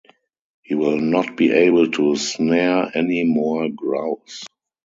He will not be able to snare any more grouse.